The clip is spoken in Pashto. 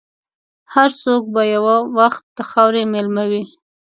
هر څوک به یو وخت د خاورې مېلمه وي.